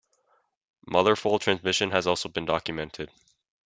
Mother-foal transmission has also been documented.